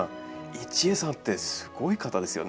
一江さんってすごい方ですよね。